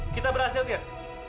kita berhasil tir